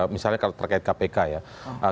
misalnya kalau terkait kpk ya